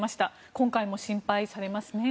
今回も心配されますね。